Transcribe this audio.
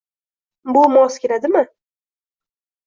Bu mos keladimi?